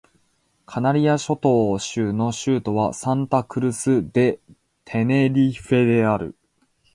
カナリア諸島州の州都はサンタ・クルス・デ・テネリフェである